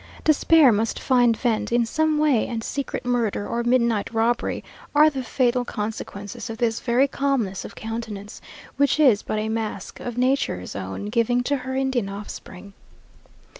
Despair must find vent in some way; and secret murder, or midnight robbery, are the fatal consequences of this very calmness of countenance, which is but a mask of Nature's own giving to her Indian offspring.